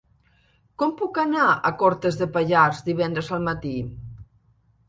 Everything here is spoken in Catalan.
Com puc anar a Cortes de Pallars divendres al matí?